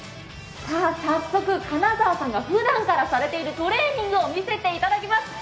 さあ、早速金澤さんがふだんからされているトレーニングを見せていただきます。